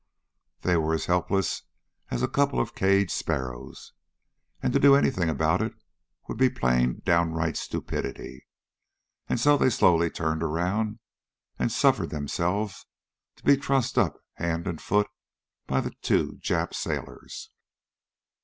They were as helpless as a couple of caged sparrows, and to do anything about it would be plain, downright stupidity. And so they slowly turned around and suffered themselves to be trussed up hand and foot by the two Jap sailors.